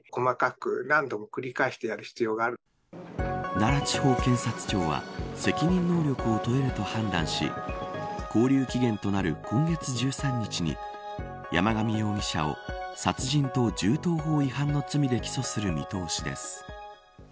奈良地方検察庁は責任能力を問えると判断し勾留期限となる今月１３日に山上容疑者を殺人と銃刀法違反の罪で起訴する見通しです。